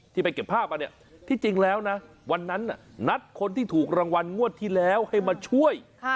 ไปเก็บภาพมาเนี่ยที่จริงแล้วนะวันนั้นนัดคนที่ถูกรางวัลงวดที่แล้วให้มาช่วย